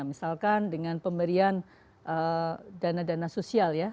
misalkan dengan pemberian dana dana sosial ya